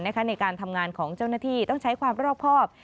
ในการทำงานของเจ้าหน้าที่ต้องใช้ความรอบครอบ